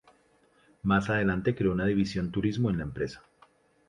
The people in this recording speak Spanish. Más adelante creó una división turismo en la empresa.